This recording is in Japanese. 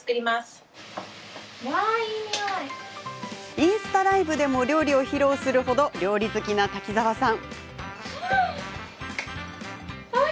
インスタライブでも料理を披露するほど料理好きな滝沢さん。